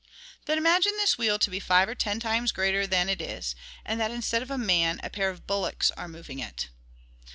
"Then imagine this wheel to be five or ten times greater than it is, and that instead of a man a pair of bullocks are moving it."